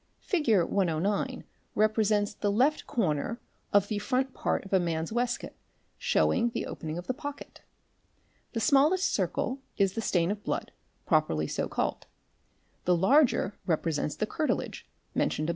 Fig. 109 represents the left corner Yfy of the front part of a man's waistcoat showing j the opening of the pocket. The smallest circle 'J is the stain of blood properly so called, the bs larger represent the 'curtilage'? mentioned Fig. 109.